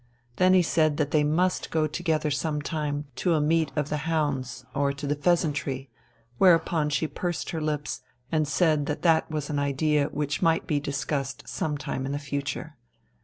Then he said that they must go together some time to a meet of the hounds or to the "Pheasantry," whereupon she pursed her lips and said that that was an idea which might be discussed some time in the future.